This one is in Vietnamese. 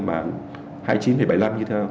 mà hai mươi chín bảy mươi năm như thế nào